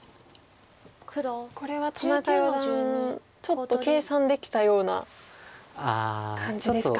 これは田中四段ちょっと計算できたような感じですか？